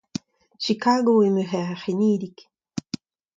Chicago eo ma c'hêr c'henidik.